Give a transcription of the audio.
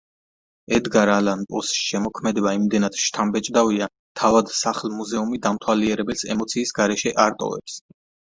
ედგარ ალან პოს შემოქმედება იმდენად შთამბეჭდავია, თავად სახლ-მუზეუმი დამთვალიერებელს ემოციის გარეშე არ ტოვებს.